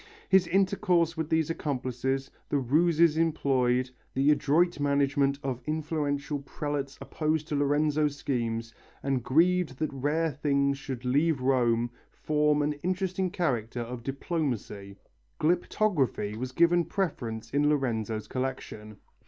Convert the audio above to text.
His intercourse with these accomplices, the ruses employed, the adroit management of influential prelates opposed to Lorenzo's schemes, and grieved that rare things should leave Rome, form an interesting chapter of diplomacy. Glyptography was given preference in Lorenzo's collection.